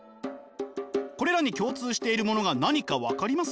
これらに共通しているものが何か分かります？